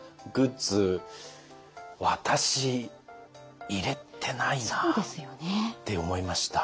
私入れてないなって思いました。